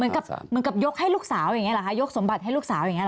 เหมือนกับเหมือนกับยกให้ลูกสาวอย่างนี้เหรอคะยกสมบัติให้ลูกสาวอย่างนี้ห